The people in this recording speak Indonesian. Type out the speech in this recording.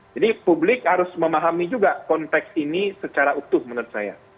jadi publik harus memahami juga konteks ini secara utuh menurut saya